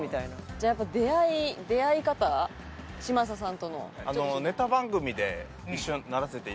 じゃあ出会い出会い方嶋佐さんとの。